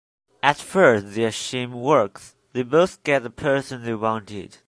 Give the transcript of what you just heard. At first, their scheme works: they both get the person they wanted.